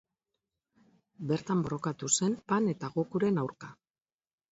Bertan borrokatu zen Pan eta Gokuren aurka.